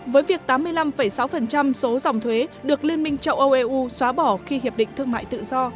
với việc tám mươi năm sáu số dòng thuế được liên minh châu âu eu xóa bỏ khi hiệp định thương mại tự do